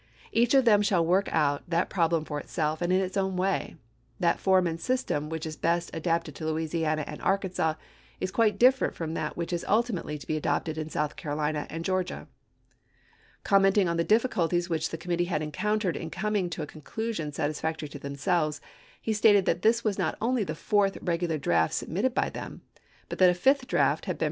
Each of them shall work out that problem for itself and in its own way. That form and system which is best adapted to Louisiana and Arkansas is quite different from that which is ul timately to be adopted in South Carolina and Georgia." Commenting on the difficulties which the committee had encountered in coming to a con clusion satisfactory to themselves, he stated that this was not only the fourth regular draft sub mitted by them, but that a fifth draft had been ibid.